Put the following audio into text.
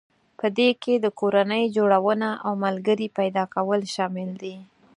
په دې کې د کورنۍ جوړونه او ملګري پيدا کول شامل دي.